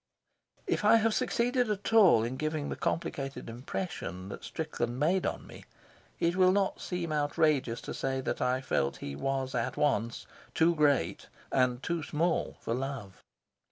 If I have succeeded at all in giving the complicated impression that Strickland made on me, it will not seem outrageous to say that I felt he was at once too great and too small for love.